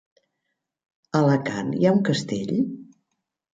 A Alacant hi ha un castell?